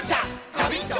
ガビンチョ！